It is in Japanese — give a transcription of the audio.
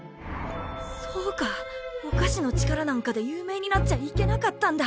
そうかお菓子の力なんかで有名になっちゃいけなかったんだ。